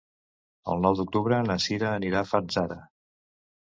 El nou d'octubre na Cira anirà a Fanzara.